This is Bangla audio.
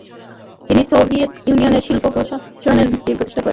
তিনি সোভিয়েত ইউনিয়নে শিল্প প্রাণরসায়নের ভিত্তি প্রতিষ্ঠা করেন।